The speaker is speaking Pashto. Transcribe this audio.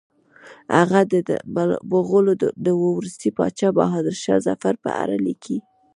هغه د مغولو د وروستي پاچا بهادر شاه ظفر په اړه لیکي.